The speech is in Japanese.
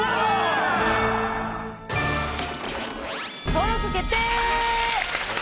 登録決定！